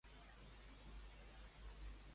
Quan va tenir una gran presència el culte d'Asclepi?